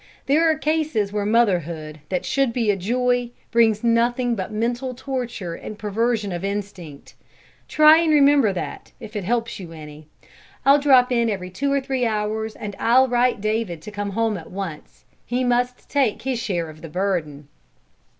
There are cases where motherhood, that should be a joy, brings nothing but mental torture and perversion of instinct. Try and remember that, if it helps you any. I'll drop in every two or three hours and I'll write David to come at once. He must take his share of the burden."